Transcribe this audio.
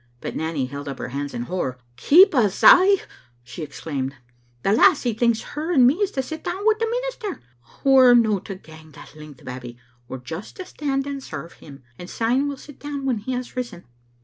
" But Nanny held up her hands in horror. " Keep us a' !" she exclaimed ;" the lassie thinks her and me is to sit down wi' the minister! We're no to gang that length. Babbie; we're just to stand and serve him, and syne we'll sit down when he has risen."